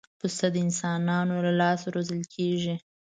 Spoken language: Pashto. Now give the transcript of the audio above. پسه د انسانانو له لاسه روزل کېږي.